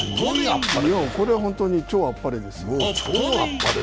これは本当に超あっぱれですよ。